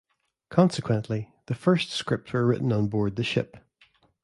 Consequently, the first scripts were written on board the ship.